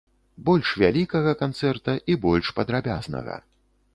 Больш вялікага канцэрта, і больш падрабязнага.